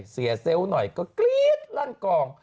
เซลล์หน่อยก็กรี๊ดลั่นกอง